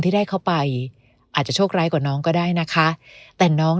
ที่ได้เข้าไปอาจจะโชคร้ายกว่าน้องก็ได้นะคะแต่น้อง